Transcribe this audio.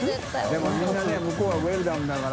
任みんなね向こうはウェルダンだから。